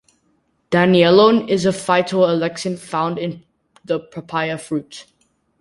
Danielone is a phytoalexin found in the papaya fruit.